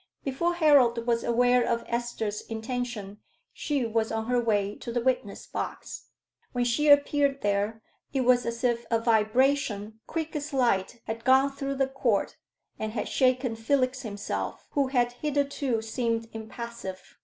Before Harold was aware of Esther's intention she was on her way to the witness box. When she appeared there, it was as if a vibration, quick as light, had gone through the Court and had shaken Felix himself, who had hitherto seemed impassive.